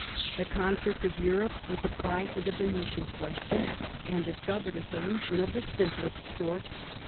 The concert of Europe was applied to the Venetian question, and discovered a solution of the simplest sort.